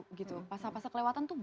bagi kami ini gak perlu gitu